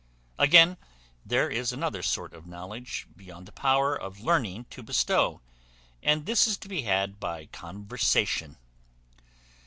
Again, there is another sort of knowledge, beyond the power of learning to bestow, and this is to be had by conversation.